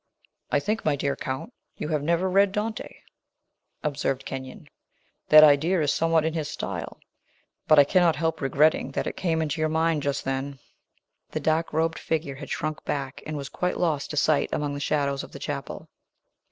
"I think, my dear Count, you have never read Dante," observed Kenyon. "That idea is somewhat in his style, but I cannot help regretting that it came into your mind just then." The dark robed figure had shrunk back, and was quite lost to sight among the shadows of the chapel.